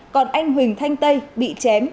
còn anh huỳnh thanh tây bị chém